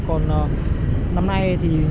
còn năm nay thì